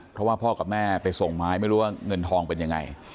เพราะว่าพ่อกับแม่ไปส่งไม้ไม่รู้ว่าเงินทองเป็นยังไง